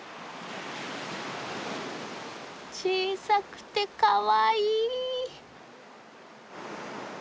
小さくてかわいい。